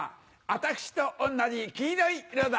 私と同じ黄色い色だ。